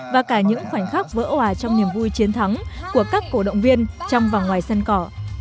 và cả những khoảnh khắc vỡ hòa trong niềm vui chiến thắng của các cổ động viên trong và ngoài sân cỏ